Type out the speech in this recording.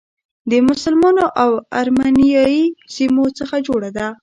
د مسلمانو او ارمنیایي سیمو څخه جوړه ده.